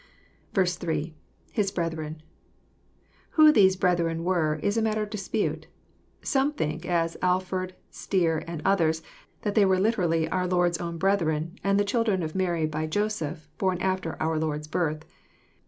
8. — lRi8 brethren.2 Who these *' brethren " were is a matter of dispute. Some think, as Alford, Stier, and others, that they were literally our Lord's own brethren, and the children of Mary by Joseph, born after our Lord's birth.